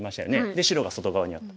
で白が外側にあった。